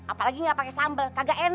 apalagi gak pakai sambal